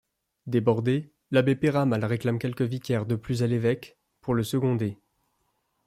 Débordé, l'abbé Peyramale réclame quelques vicaires de plus à l'évêque, pour le seconder.